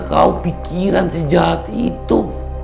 kau pikiran si jahat itu